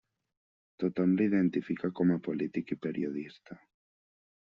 Tothom l'identifica com a polític i periodista.